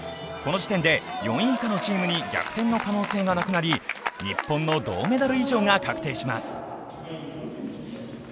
この時点で４位以下のチームに逆転の可能性がなくなり日本の銅メダル以上が確定します。